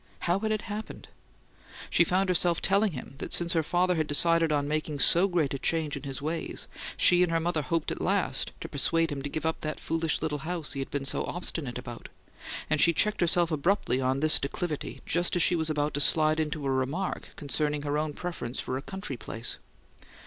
How had it happened? She found herself telling him that since her father had decided on making so great a change in his ways, she and her mother hoped at last to persuade him to give up that "foolish little house" he had been so obstinate about; and she checked herself abruptly on this declivity just as she was about to slide into a remark concerning her own preference for a "country place."